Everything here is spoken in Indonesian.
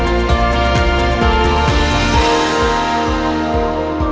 baik terima kasih banyak bu